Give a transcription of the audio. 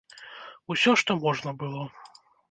Усё, што можна было.